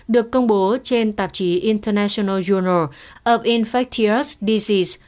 được công bố trên tạp chí international journal of infectious diseases